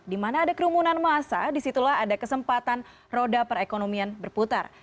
di mana ada kerumunan masa disitulah ada kesempatan roda perekonomian berputar